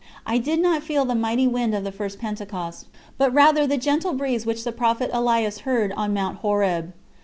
I did not feel the mighty wind of the first Pentecost, but rather the gentle breeze which the prophet Elias heard on Mount Horeb.